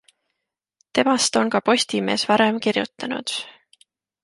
Temast on ka Postimees varem kirjutanud.